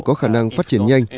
có khả năng phát triển nhanh